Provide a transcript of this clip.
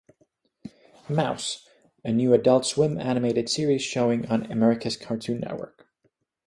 Mouse, a new Adult Swim animated series showing on America's Cartoon Network.